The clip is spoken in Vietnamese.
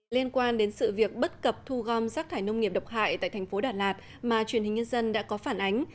liên quan đến sự việc bất cập thu gom rác thải nông nghiệp độc hại tại thành phố đà lạt mà truyền hình nhân dân đã có phản ánh